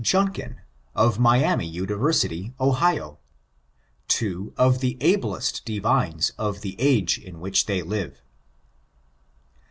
Junkin, of Miami University, Ohio : two of the ablest divines of the age in which they live.